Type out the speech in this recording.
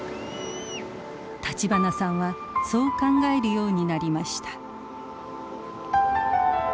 立花さんはそう考えるようになりました。